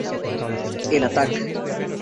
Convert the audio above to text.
En Attack!